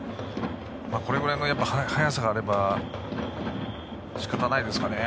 これぐらいの速さがあればしかたないですかね。